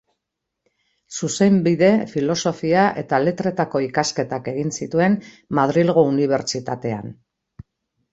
Zuzenbide, filosofia eta letretako ikasketak egin zituen Madrilgo Unibertsitatean.